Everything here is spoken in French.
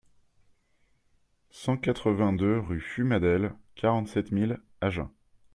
cent quatre-vingt-deux rue Fumadelles, quarante-sept mille Agen